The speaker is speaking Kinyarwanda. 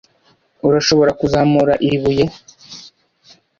Urashobora kuzamura iri buye?